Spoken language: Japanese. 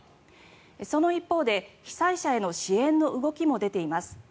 その一方で被災者への支援の動きも出ています。